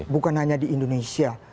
bukan hanya di indonesia